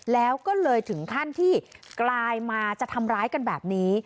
แล้วก็เลยถึงขั้นที่กลายมาจะทำร้ายกันแบบนี้